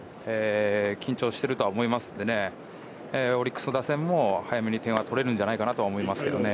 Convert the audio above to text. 緊張してるとは思いますのでオリックス打線も早めに点が取れるんじゃないかと思います。